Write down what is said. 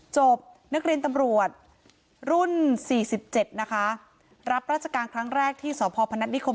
จบนักเรียนตำรวจรุ่นสี่สิบเจ็ดนะคะรับราชการครั้งแรกที่สพพนัทนิคม